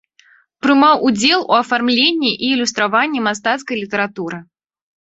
Прымаў удзел у афармленні і ілюстраванні мастацкай літаратуры.